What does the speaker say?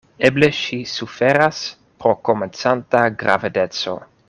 Eble ŝi suferas pro komencanta gravedeco.